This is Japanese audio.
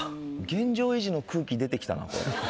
現状維持の空気出てきたなこれ。